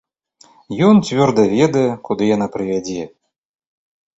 Ён цвёрда ведае, куды яна прывядзе.